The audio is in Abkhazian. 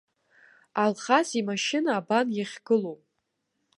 Алхас имашьына абан иахьгылоу.